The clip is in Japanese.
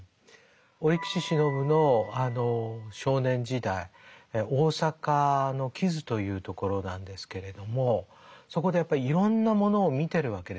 折口信夫の少年時代大阪の木津という所なんですけれどもそこでやっぱりいろんなものを見てるわけですよね。